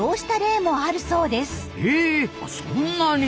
そんなに。